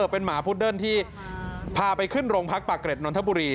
เป็นหมาพุดเดิ้ลที่พาไปขึ้นโรงพักปากเกร็ดนนทบุรี